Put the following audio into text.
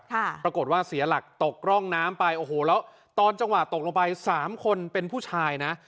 ปรากฏว่าเสียหลักตกร่องน้ำไปโอ้โหแล้วตอนจังหวะตกลงไปสามคนเป็นผู้ชายนะ